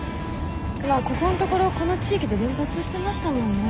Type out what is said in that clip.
まあここんところこの地域で連発してましたもんね。